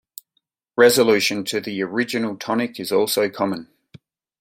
Resolution to the original tonic is also common.